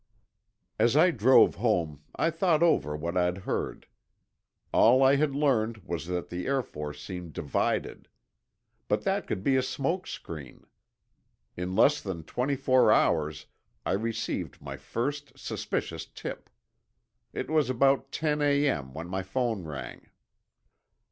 As I drove home, I thought over what I'd heard. All I had learned was that the Air Force seemed divided. But that could be a smoke screen. In less than twenty four hours, I received my first suspicious tip. It was about ten A.M. when my phone rang.